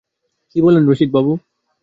কী বলেন রসিকবাবু!